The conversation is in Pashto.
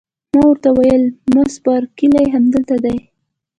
ما ورته وویل: مس بارکلي همدلته ده؟